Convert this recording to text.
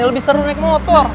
lebih seru naik motor